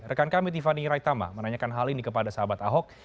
rekan kami tiffany raitama menanyakan hal ini kepada sahabat ahok